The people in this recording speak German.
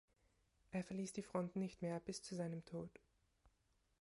Er verließ die Front nicht mehr bis zu seinem Tod.